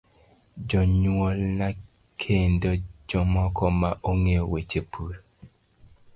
Jonyuolna kendo jomoko ma ong'eyo weche pur.